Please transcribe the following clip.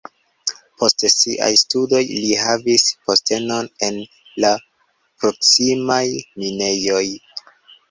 Post siaj studoj li havis postenon en la proksimaj minejoj.